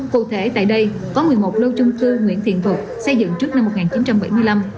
cụ thể tại đây có một mươi một lô chung cư nguyễn thiện thuật xây dựng trước năm một nghìn chín trăm bảy mươi năm